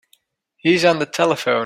He's on the telephone.